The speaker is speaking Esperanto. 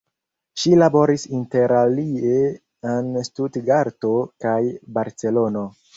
Ŝi laboris interalie en Stutgarto kaj Barcelono.